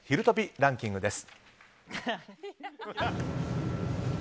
ランキングです。